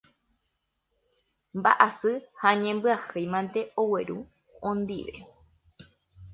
Mba'asy ha ñembyahýi mante ogueru ondive.